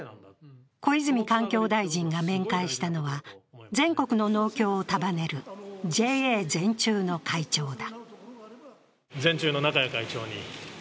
小泉環境大臣が面会したのは全国の農協を束ねるＪＡ全中の会長だ。